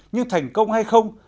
nhưng thành công hay không